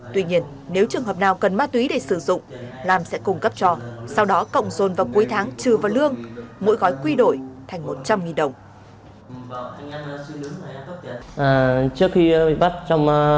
tuy nhiên nếu trường hợp nào cần ma túy để sử dụng lam sẽ cung cấp cho sau đó cộng dồn vào cuối tháng trừ vào lương mỗi gói quy đổi thành một trăm linh đồng